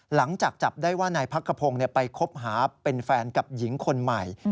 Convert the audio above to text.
หลังจากจับได้ว่านายพักขพงศ์ไปคบหาเป็นแฟนกับหญิงคนใหม่